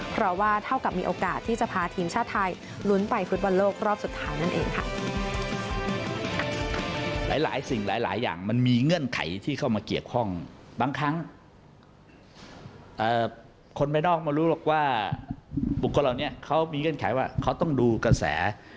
เพราะว่าเท่ากับมีโอกาสที่จะพาทีมชาติไทยลุ้นไปฟุตบอลโลกรอบสุดท้ายนั่นเองค่ะ